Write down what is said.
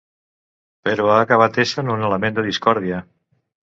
Però ha acabat essent un element de discòrdia.